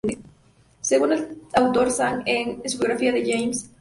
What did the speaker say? Según el autor Sean Egan en su biografía de James Kirkwood, Jr.